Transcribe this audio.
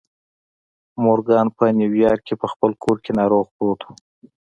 مورګان په نيويارک کې په خپل کور کې ناروغ پروت و.